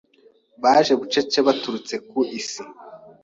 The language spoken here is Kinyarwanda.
Baje bucece baturutse ku isi